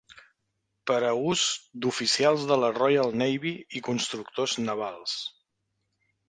Per a ús d"oficials de la Royal Navy i constructors navals.